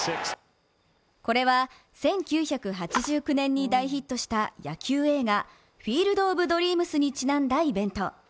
これは１９８９年に大ヒットした野球映画「フィールド・オブ・ドリームス」にちなんだイベント。